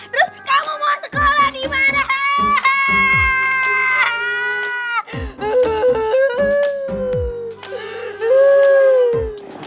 terus kamu mau sekolah dimana